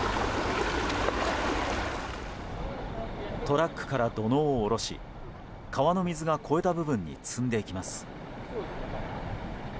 トラックから土のうを下ろし川の水が越えた部分に積んでいきます。